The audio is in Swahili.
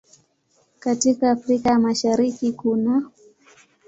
Katika Afrika ya Mashariki kunaː